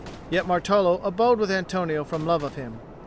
Yet Martolo abode with Antonio from love of him.